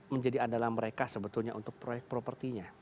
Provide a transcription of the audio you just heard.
menjadi adalah mereka sebetulnya untuk proyek propertinya